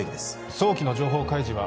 早期の情報開示は